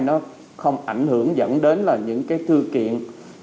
nó không ảnh hưởng dẫn đến là những cái thư kiện